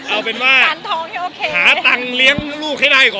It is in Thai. เอาเป็นว่าหาตังค์เลี้ยงลูกให้ได้ก่อน